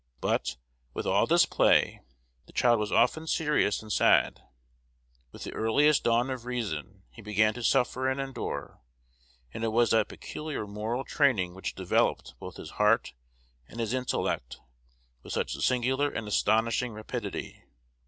But, with all this play, the child was often serious and sad. With the earliest dawn of reason, he began to suffer and endure; and it was that peculiar moral training which developed both his heart and his intellect with such singular and astonishing rapidity.